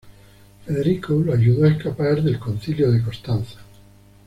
Federico lo ayudó a escapar del Concilio de Constanza.